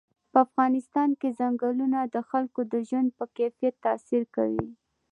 په افغانستان کې ځنګلونه د خلکو د ژوند په کیفیت تاثیر کوي.